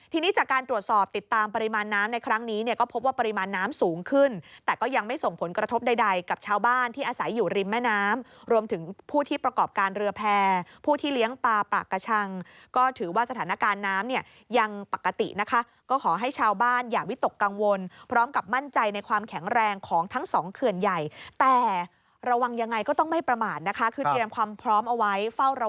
ทีนี้จากการตรวจสอบติดตามปริมาณน้ำในครั้งนี้เนี่ยก็พบว่าปริมาณน้ำสูงขึ้นแต่ก็ยังไม่ส่งผลกระทบใดกับชาวบ้านที่อาศัยอยู่ริมแม่น้ำรวมถึงผู้ที่ประกอบการเรือแพร่ผู้ที่เลี้ยงปลาปลากระชังก็ถือว่าสถานการณ์น้ำเนี่ยยังปกตินะคะก็ขอให้ชาวบ้านอย่าวิตกกังวลพร้อมกับมั่นใจใน